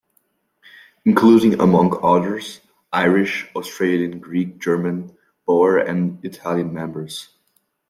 Including among others Irish, Australian, Greek, German, Boer and Italian members.